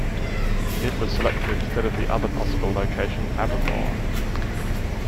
It was selected instead of the other possible location Abermawr.